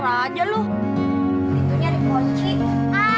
apa yang kamu lakuin disitu